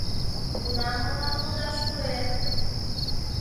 — Кунам мылам лудаш пуэт?